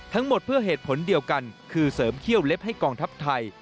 ทั้งหมดเพื่อเหตุผลเดียวกันคือเสริมเขี้ยวเล็บให้กองทัพไทย